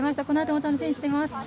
このあとも楽しみにしています。